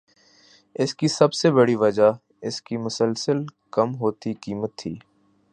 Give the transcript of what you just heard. اس کی سب سے بڑی وجہ اس کی مسلسل کم ہوتی قیمت تھی